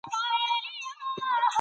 ماشومان د مینې په ژبه پوهیږي.